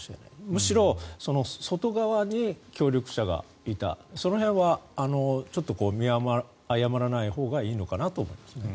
むしろ、外側に協力者がいたその辺は見誤らないほうがいいのかなと思いますね。